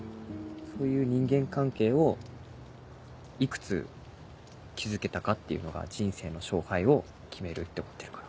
そういう人間関係をいくつ築けたかっていうのが人生の勝敗を決めるって思ってるから。